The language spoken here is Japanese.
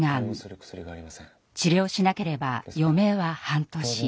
治療しなければ余命は半年。